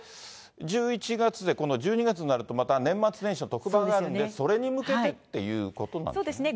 １１月で、今度１２月になるとまた、年末年始の特番があるんで、それに向けてっていうことなんですね。